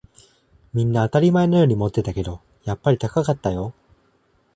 みんな当たり前のように持ってたけど、やっぱり高かったよ